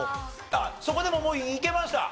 あっそこでもういけました？